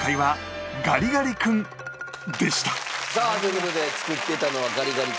さあという事で作っていたのはガリガリ君。